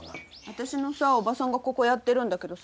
私のさ叔母さんがここやってるんだけどさ